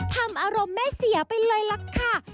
ทำอารมณ์แม่เสียไปเลยล่ะค่ะ